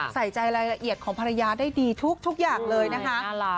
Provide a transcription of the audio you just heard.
ใส่ใจรายละเอียดของภรรยาได้ดีทุกอย่างเลยนะคะ